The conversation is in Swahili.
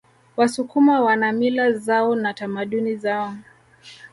wasukuma wana mila zao na tamaduni zao